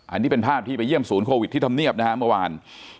อันนี้เป็นภาพที่ไปเยี่ยมศูนย์โควิดที่ทำเนียบนะฮะเมื่อวาน